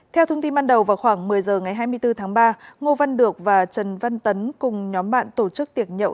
theo thông tin ban đầu vào khoảng một mươi h ngày hai mươi bốn tháng ba ngô văn được và trần văn tấn cùng nhóm bạn tổ chức tiệc nhậu